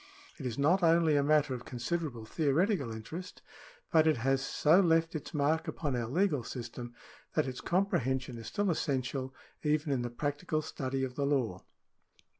It is not only a matter of considerable theoretical interest, but it has so left its mark upon our legal system, that its comprehension is still essential even in the practical study of the law.